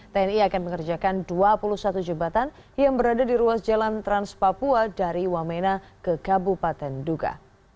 tni akan mengerjakan dua puluh satu jembatan yang berada di ruas jalan trans papua dari wamena ke kabupaten duga